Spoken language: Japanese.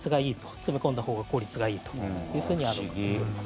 詰め込んだほうが効率がいいというふうになっています。